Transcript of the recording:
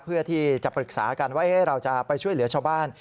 เพื่อที่จะปรึกษากันว่าเราจะไปช่วยเหลือชาวบ้าน